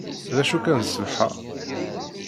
D acu kan sbeḥ-a.